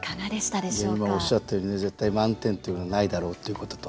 今おっしゃったように「絶対満点というのはないだろう」っていうことと。